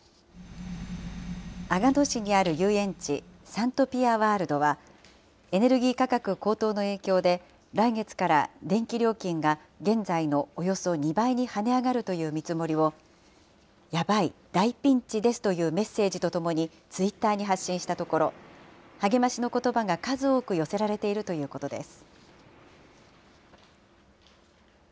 阿賀野市にある遊園地、サントピアワールドは、エネルギー価格高騰の影響で、来月から電気料金が現在のおよそ２倍に跳ね上がるという見積もりを、やばい、大ピンチですというメッセージとともにツイッターに発信したところ、励ましのことばが数多く寄せられているということです。